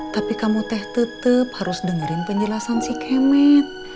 tapi kamu teh tetep harus dengerin penjelasan si kemen